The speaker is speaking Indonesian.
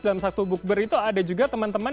dalam satu bukber itu ada juga teman teman